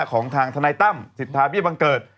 ของทางทนายตั้มสิทธาบิบังเกิร์ต